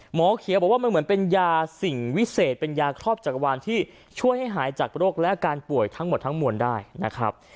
หมอเขียวบอกว่ามันเหมือนเป็นยาสิ่งวิเศษเป็นยาครอบจักรวาลที่ช่วยให้หายจากโรคและอาการป่วยทั้งหมดทั้งมวลได้นะครับ